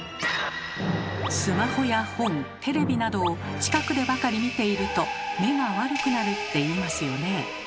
スマホや本テレビなどを近くでばかり見ていると目が悪くなるっていいますよね。